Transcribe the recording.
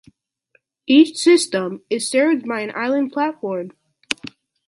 Each system is served by an island platform.